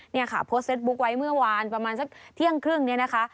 เนี่ยค่ะโพสต์เฟสบุ๊คไว้เมื่อวานประมาณสักเที่ยงครึ่งเนี่ยนะคะ